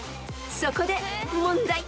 ［そこで問題］